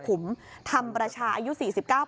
พอหลังจากเกิดเหตุแล้วเจ้าหน้าที่ต้องไปพยายามเกลี้ยกล่อม